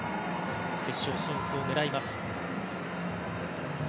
決勝進出を狙います。